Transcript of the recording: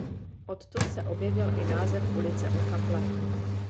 Odtud se objevil i název ulice „U Kaple“.